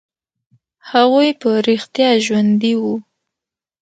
هغوى په رښتيا ژوندي وو.